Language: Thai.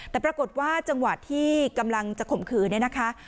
แต่ปรากฏว่าจังหวะที่กำลังจะข่มขืนเนี่ยนะคะ